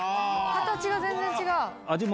形が全然違う。